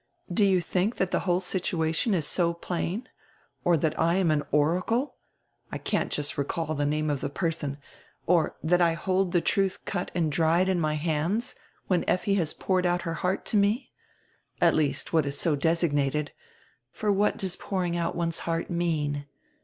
Do you think that the whole situation is so plain? Or that I am an oracle — I can't just recall the name of the person — or that I hold the truth cut and dried in my hands, when Effi has poured out her heart to me? — at least what is so designated. For what does pouring out one's heart mean?